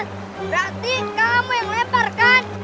berarti kamu yang lempar kan